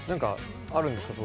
あるんですか？